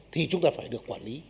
thì chúng ta phải được quản lý